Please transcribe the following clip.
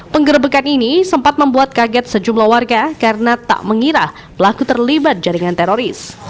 penggerbekan ini sempat membuat kaget sejumlah warga karena tak mengira pelaku terlibat jaringan teroris